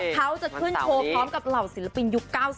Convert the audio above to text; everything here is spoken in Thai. เขาจะขึ้นโชว์พร้อมกับเหล่าศิลปินยุค๙๐